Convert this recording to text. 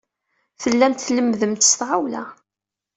Tellamt tlemmdemt s tɣawla.